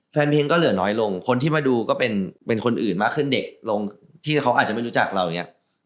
แฟนเพลงก็เหลือน้อยลงคนที่มาดูก็เป็นคนอื่นมากขึ้นเด็กลงที่เขาอาจจะไม่รู้จักเราอย่างนี้